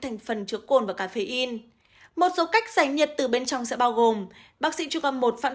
thành phần chứa cồn và cafein một số cách giải nhiệt từ bên trong sẽ bao gồm bác sĩ trung